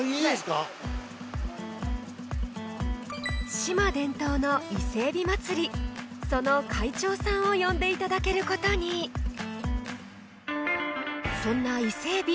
志摩伝統の「伊勢えび祭」その会長さんを呼んでいただけることにそんな伊勢エビ。